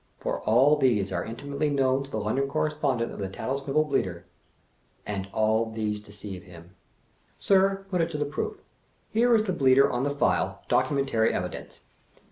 For all these are intimately known to the London Correspondent of The Tat tlesnivel Bleater, and all these deceive him. Sir, put it to the proof. There is the Bleater on the file — documentary evidence.